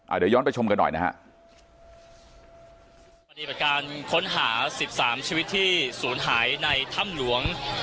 อ่าเดี๋ยวย้อนไปชมกันหน่อยนะฮะการค้นหาสิบสามชีวิตที่สูญหายในทำหลวง